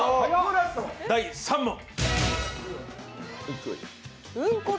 第３問。